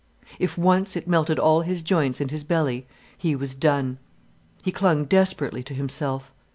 If once it melted all his joints and his belly, he was done. He clung desperately to himself.